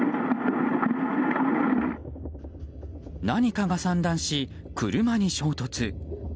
何かが散乱し、車に衝突。